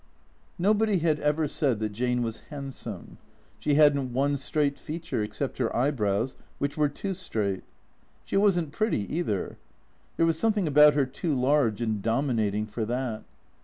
Nobody had ever said that Jane was handsome. She hadn't one straight feature, except her eyebrows which were too straight. She was n't pretty, either. There was something about her too large and dominating for that.